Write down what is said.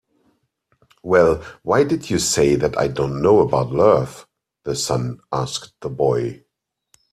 "Well, why did you say that I don't know about love?" the sun asked the boy.